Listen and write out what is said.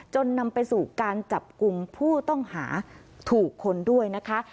นำไปสู่การจับกลุ่มผู้ต้องหาถูกคนด้วยนะคะ